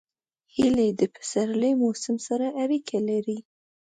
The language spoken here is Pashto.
هیلۍ د پسرلي موسم سره اړیکه لري